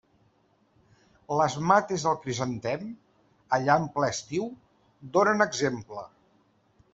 Les mates del crisantem, allà en ple estiu, donen exemple.